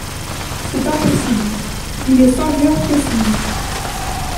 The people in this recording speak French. C’est impossible ; il est cinq heures précises.